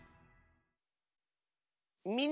「みんなの」。